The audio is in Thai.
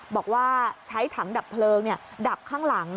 บอกว่าใช้ถังดับเพลิงดับข้างหลัง